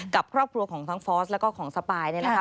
กับครอบครัวของทั้งฟอสแล้วก็ของสปายเนี่ยนะคะ